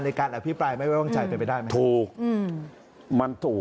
ในการอธิบายไม่ไว้ว่างชัยไปไปได้ไหมถูกมันถูก